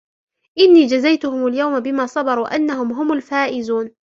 إني جزيتهم اليوم بما صبروا أنهم هم الفائزون